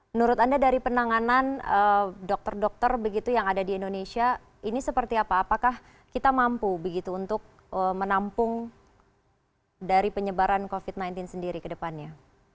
menurut anda dari penanganan dokter dokter begitu yang ada di indonesia ini seperti apa apakah kita mampu begitu untuk menampung dari penyebaran covid sembilan belas sendiri ke depannya